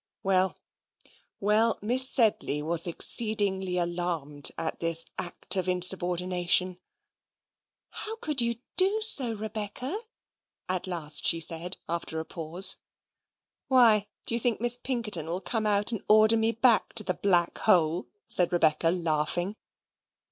Well, well, Miss Sedley was exceedingly alarmed at this act of insubordination. "How could you do so, Rebecca?" at last she said, after a pause. "Why, do you think Miss Pinkerton will come out and order me back to the black hole?" said Rebecca, laughing.